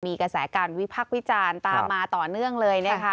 มีกระแสการวิพักษ์วิจารณ์ตามมาต่อเนื่องเลยนะคะ